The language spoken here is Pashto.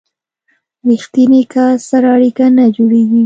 ریښتیني کس سره اړیکه نه جوړیږي.